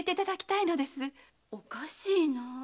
おかしいなあ。